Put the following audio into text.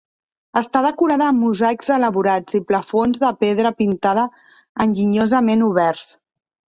Està decorada amb mosaics elaborats i plafons de pedra pintada enginyosament oberts.